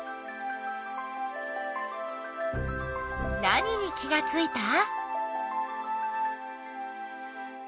何に気がついた？